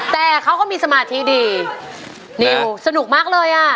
แต่เขาก็มีสมาธิดีนิวสนุกมากเลยอ่ะ